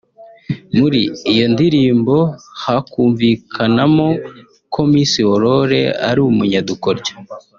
muri iyo ndirimbo hakumvikanamo ko Miss Aurore ari umunyadukoryo